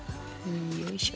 よいしょ。